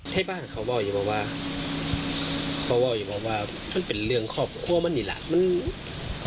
ที่บ้านเขาบอกอยู่บอกว่ามันเป็นเรื่องครอบครัวมันหรือหลัก